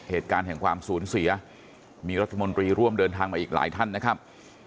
เหตุการณ์แห่งความสูญเสียมีรัฐมนตรีร่วมเดินทางมาอีกหลายท่านนะครับ